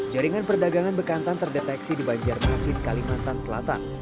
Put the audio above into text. jaringan perdagangan bekantan terdeteksi di banjarmasin kalimantan selatan